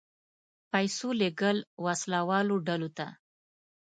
پیسو لېږل وسله والو ډلو ته.